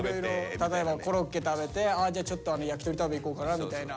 例えばコロッケ食べてあじゃあちょっと焼き鳥食べ行こうかなみたいな。